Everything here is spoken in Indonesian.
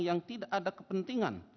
yang tidak ada kepentingan